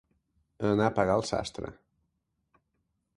Anar a pagar al sastre.